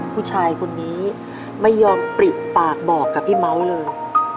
ผู้ชายคนนี้ไม่ยอมปริปากบอกกับพี่เมาส์เลย